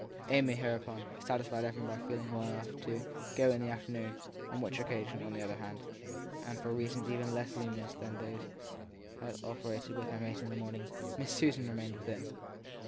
Amy, hereupon, satisfied everybody by feeling well enough to go in the afternoon ; on which occasion, on the other hand and for reasons even less luminous than those that had operated with her mate in the morning Miss Susan remained within.